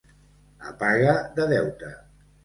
A paga de deute.